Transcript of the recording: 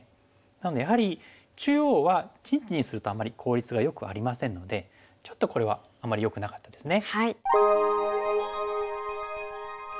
なのでやはり中央は陣地にするとあんまり効率がよくありませんのでちょっとこれはあんまりよくなかったですね。